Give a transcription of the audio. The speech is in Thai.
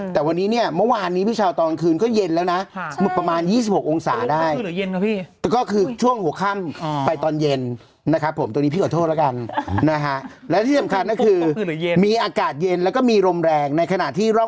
แต่วันนี้เมื่อวานพี่ชาวตอนกลางคืนก็เย็นแล้วนะ